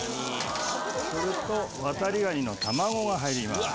それとワタリガニの卵が入ります。